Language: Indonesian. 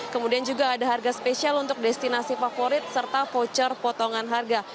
kemudian juga ada harga spesial untuk destinasi favorit serta voucher potongan harga